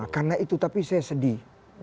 karena itu tapi saya sedih